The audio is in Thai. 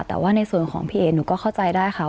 แต่ว่าในส่วนของพี่เอ๋หนูก็เข้าใจได้ค่ะ